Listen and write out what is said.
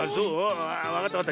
ああわかったわかった。